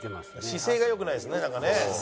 姿勢が良くないですね。